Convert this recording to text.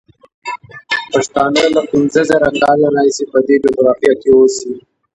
پښتانه له پینځه زره کاله راهیسې په دې جغرافیه کې اوسي.